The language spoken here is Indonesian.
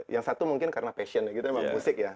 yang satu mungkin karena passion ya gitu emang musik ya